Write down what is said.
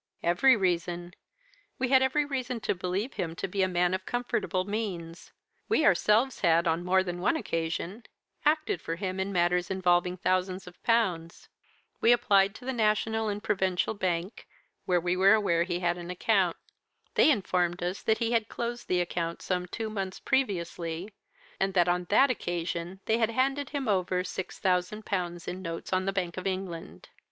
"'Every reason! We had every reason to believe him to be a man of comfortable means. We ourselves had, on more than one occasion, acted for him in matters involving thousands of pounds. We applied to the National and Provincial Bank where we were aware he had an account. They informed us that he had closed the account some two months previously, and that on that occasion they had handed him over six thousand pounds in notes on the Bank of England.